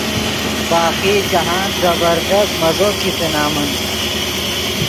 باقی جاہند زبردست مزو کیتے نمن۔